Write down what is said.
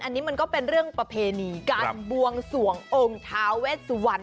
อันนี้มันก็เป็นเรื่องประเพณีการบวงสวงองค์ท้าเวสวรรณ